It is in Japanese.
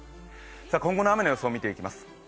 今後の雨の予想を見ていきます。